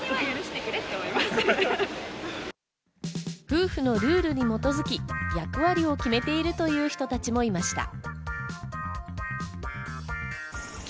夫婦のルールに基づき役割を決めているという人たちもいました。